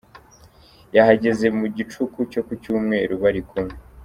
Yahageze mu gicuku cyo ku Cyumweru, bari kumwe.